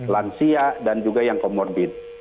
lansia dan juga yang comorbid